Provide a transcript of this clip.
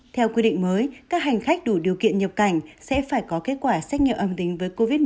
theo quy định mới các hành khách đủ điều kiện nhập cảnh sẽ phải có kết quả xét nghiệm âm tính với covid một mươi chín